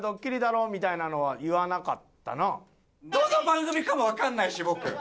どの番組かもわかんないし僕。